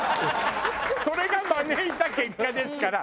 それが招いた結果ですから。